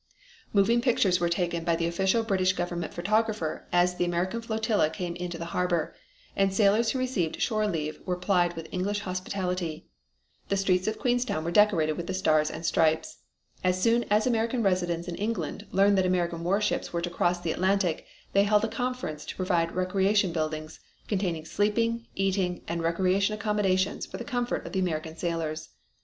Moving pictures were taken by the official British Government photographer as the American flotilla came into the harbor, and sailors who received shore leave were plied with English hospitality. The streets of Queenstown were decorated with the Stars and Stripes. As soon as American residents in England learned that American warships were to cross the Atlantic they held a conference to provide recreation buildings, containing sleeping, eating, and recreation accommodations for the comfort of the American sailors.